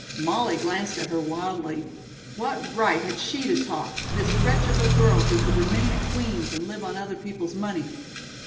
Molly glanced at her wildly. What right had she to talk, this wretch of a girl who could remain at Queen's and live on other people's money?